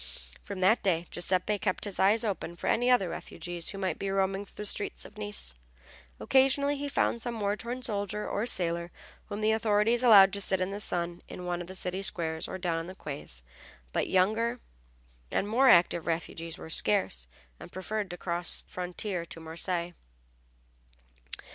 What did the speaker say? From that day Giuseppe kept his eyes open for any other refugees who might be roaming through the streets of Nice. Occasionally he found some war worn soldier or sailor whom the authorities allowed to sit in the sun in one of the city squares or down on the quays, but younger and more active refugees were scarce, and preferred to cross the frontier to Marseilles.